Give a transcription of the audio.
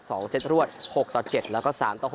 ๒เซตรวด๖ต่อ๗แล้วก็๓ต่อ๖